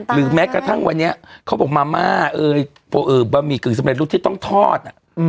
แม้กระทั่งวันนี้เขาบอกมาม่าบะหมี่กึ่งสำเร็จรูปที่ต้องทอด